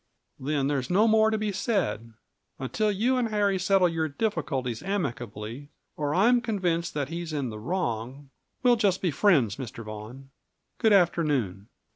"Then there's no more to be said. Until you and Harry settle your difficulties amicably, or I am convinced that he's in the wrong, we'll just be friends, Mr. Vaughan. Good afternoon."